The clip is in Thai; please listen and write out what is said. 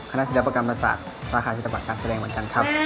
คณะศิลปกรรมศาสตร์ราคาธิตบัตรการแสดงเหมือนกันครับ